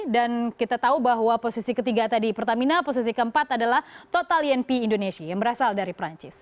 dan kita tahu bahwa posisi ketiga tadi pertamina posisi keempat adalah total inp indonesia yang berasal dari perancis